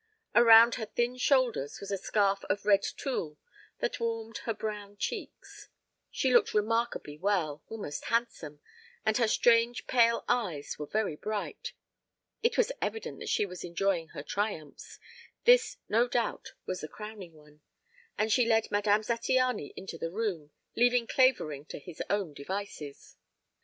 Around her thin shoulders was a scarf of red tulle that warmed her brown cheeks. She looked remarkably well, almost handsome, and her strange pale eyes were very bright. It was evident that she was enjoying her triumphs; this no doubt was the crowning one, and she led Madame Zattiany into the room, leaving Clavering to his own devices.